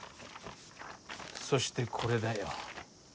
そしてこれだよ。